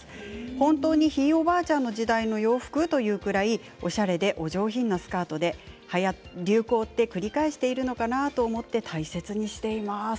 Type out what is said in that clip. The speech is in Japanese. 本当にひいおばあちゃんの時代の洋服というくらいのおしゃれでお上品なスカートで流行って繰り返しているのかなと思って大切にしています。